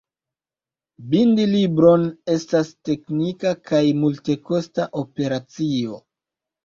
Bindi libron estas teknika kaj multekosta operacio.